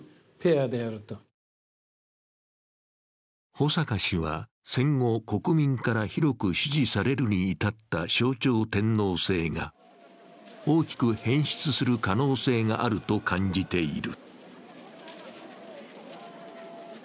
保阪氏は、戦後、国民から広く支持されるに至った象徴天皇制が大きく変質する可能性があると感じている。